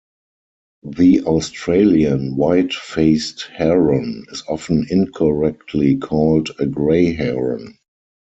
The Australian white-faced heron is often incorrectly called a grey heron.